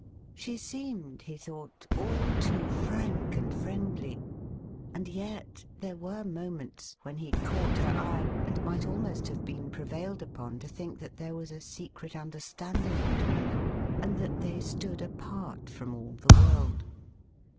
She seemed, he thought, all too frank and friendly ; and yet there were moments when he caught her eye, and might almost have been prevailed upon to think that there was a secret understanding between them, and that they stood apart from all the world.